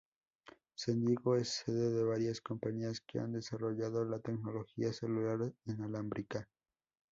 San Diego es sede de varias compañías que han desarrollado la tecnología celular inalámbrica.